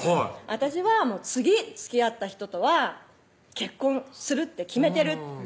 「私は次つきあった人とは結婚するって決めてる」